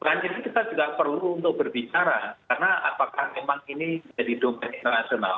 pertama ini kita juga perlu untuk berbicara karena apakah memang ini jadi domen internasional